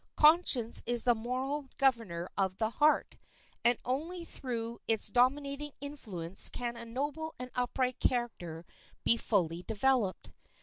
Conscience is the moral governor of the heart, and only through its dominating influence can a noble and upright character be fully developed.